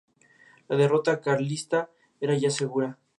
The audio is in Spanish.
La derrota carlista era ya segura.